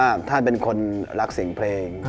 แต่ถ้าเป็นคนรักเสียงเพลง